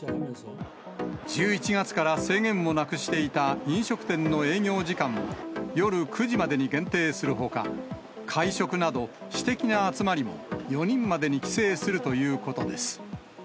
１１月から制限をなくしていた飲食店の営業時間を夜９時までに限定するほか、会食など、私的な集まりも４人までに規制するということです。